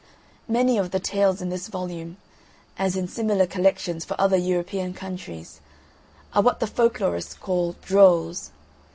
Many of the tales in this volume, as in similar collections for other European countries, are what the folklorists call Drolls.